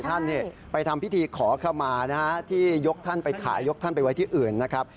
ท่านไปทำพิธีขอขมานะฮะที่ยกท่านไปขายยกท่านไปไว้ที่อื่นนะครับ